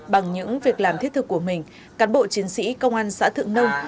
bằng những việc làm thiết thực của mình cán bộ chiến sĩ công an xã thượng nông